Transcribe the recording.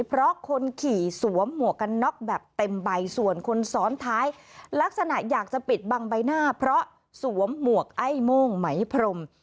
ไปหน้าเพราะสวมมวกไอ้โม่งไหมพรม